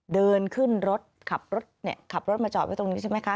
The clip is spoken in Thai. เดินขึ้นรถขับรถขับรถมาจอดวิวตรงนี้ใช่ไหมคะ